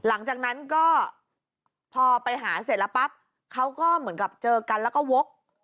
หลังจากนั้นก็พอไปหาเสร็จแล้วปั๊บเขาก็เหมือนกับเจอกันแล้วก็วก